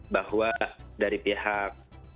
bahwa dari pihak